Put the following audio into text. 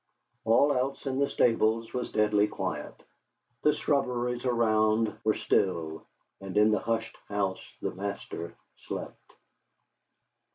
All else in the stables was deadly quiet; the shrubberies around were still; and in the hushed house the master slept.